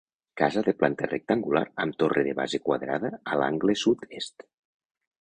Casa de planta rectangular amb torre de base quadrada a l'angle sud-est.